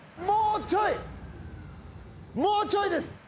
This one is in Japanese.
もうちょいです！